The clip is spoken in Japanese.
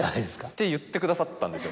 って言ってくださったんですよ